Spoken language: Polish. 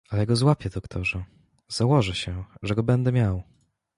"Ale ja go złapię, doktorze; założę się, że go będę miał."